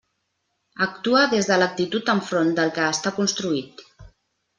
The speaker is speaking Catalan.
Actua des de l'actitud enfront del que està construït.